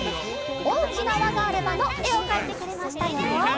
「おおきなわがあれば」のえをかいてくれましたよ。